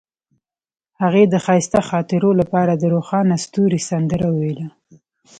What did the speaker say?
هغې د ښایسته خاطرو لپاره د روښانه ستوري سندره ویله.